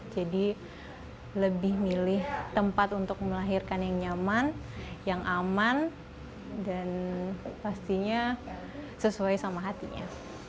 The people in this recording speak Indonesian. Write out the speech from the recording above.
jadi lebih milih tempat untuk melahirkan yang nyaman yang aman dan pastinya sesuai sama hatinya